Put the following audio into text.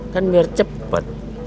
kan biar cepet